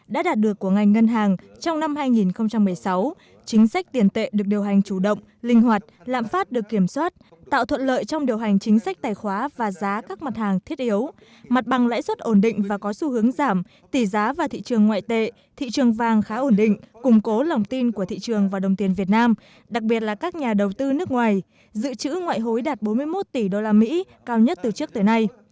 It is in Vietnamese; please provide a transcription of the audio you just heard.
đã đạt được của ngành ngân hàng trong năm hai nghìn một mươi sáu chính sách tiền tệ được điều hành chủ động linh hoạt lạm phát được kiểm soát tạo thuận lợi trong điều hành chính sách tài khoá và giá các mặt hàng thiết yếu mặt bằng lãi suất ổn định và có xu hướng giảm tỷ giá và thị trường ngoại tệ thị trường vàng khá ổn định củng cố lòng tin của thị trường và đồng tiền việt nam đặc biệt là các nhà đầu tư nước ngoài dự trữ ngoại hối đạt bốn mươi một tỷ usd cao nhất từ trước tới nay